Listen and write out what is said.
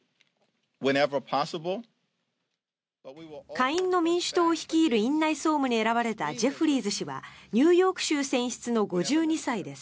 下院の民主党を率いる院内総務に選ばれたジェフリーズ氏はニューヨーク州選出の５２歳です。